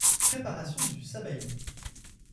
Préparation du sabayon.